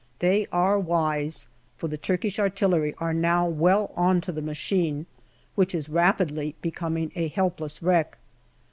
They are wise, for the Turkish artillery are now well on to the machine, which is rapidly becoming a helpless wreck.